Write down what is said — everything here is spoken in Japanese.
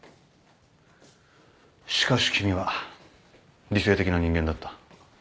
しかし君は理性的な人間だった。